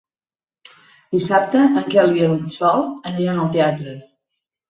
Dissabte en Quel i en Sol aniran al teatre.